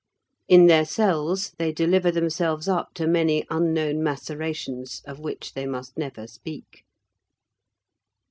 In their cells, they deliver themselves up to many unknown macerations, of which they must never speak.